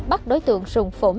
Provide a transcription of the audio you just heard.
bắt đối tượng sùng phủm